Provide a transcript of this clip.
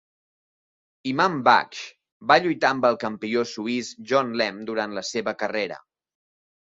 Imam Baksh va lluitar amb el campió suís John Lemm durant la seva carrera.